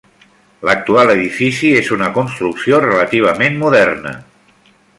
L'actual edifici és una construcció relativament moderna.